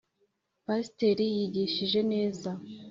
pasiteri yigishije neza